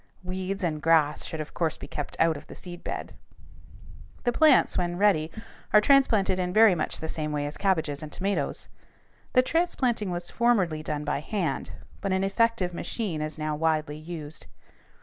Weeds and grass should of course be kept out of the seed bed. The plants, when ready, are transplanted in very much the same way as cabbages and tomatoes. The transplanting was formerly done by hand, but an effective machine is now widely used.